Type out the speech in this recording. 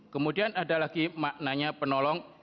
kemudian ada lagi maknanya penolong